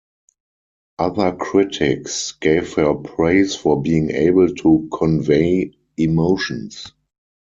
Other critics gave her praise for being able to convey emotions.